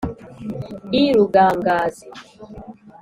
i rugangazi